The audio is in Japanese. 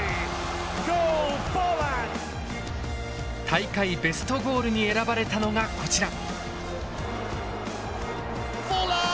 大会ベストゴールに選ばれたのがこちら。